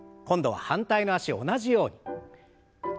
今度は反対の脚を同じように。